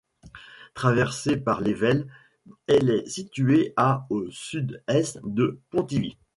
Traversé par l'Ével, elle est située à au sud-est de Pontivy.